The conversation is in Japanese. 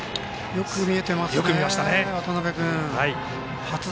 よく見えてますよ。